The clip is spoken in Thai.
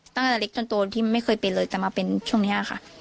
ตั้งแต่เล็กจนโตที่ไม่เคยเป็นเลยแต่มาเป็นช่วงนี้ค่ะ